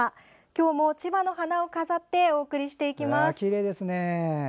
今日も千葉の花を飾ってお送りしていきます。